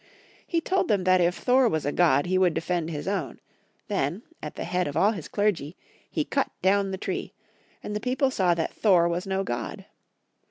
He told them that if Thor was a god he would defend his own ; then, at the head of all bis clergy, he cut down the tree, and the people saw that Thor was no god.